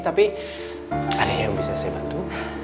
tapi ada yang bisa saya bantu